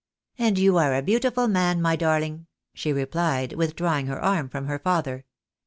"And you are a beautiful man, my darling," she replied, with drawing her arm from her father.